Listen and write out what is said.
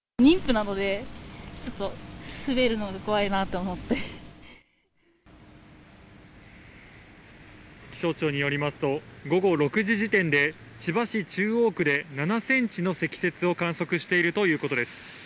妊婦なので、気象庁によりますと、午後６時時点で、千葉市中央区で７センチの積雪を観測しているということです。